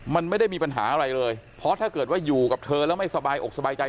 มันไม่ได้มีปัญหาอะไรเลยเพราะถ้าเกิดว่าอยู่กับเธอแล้วไม่สบายอกสบายใจ